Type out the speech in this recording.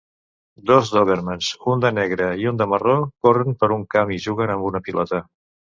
Dos dòbermans, un de negre i un de marró, corren per un camp i juguen amb una pilota.